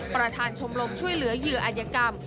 ประธานชมรมช่วยเหลือเหยื่ออัธยกรรม